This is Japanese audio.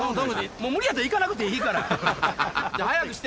もう無理やったら行かなくていいから。早くして。